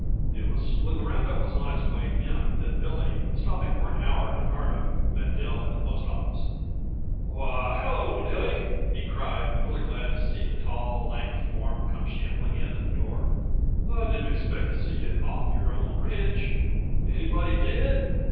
It was when the round up was on its way in that Billy, stopping for an hour in Hardup, met Dill in the post office. "Why, hello, Dilly!" he cried, really glad to see the tall, lank form come shambling in at the door. "I didn't expect to see yuh off your own ranch. Anybody dead?"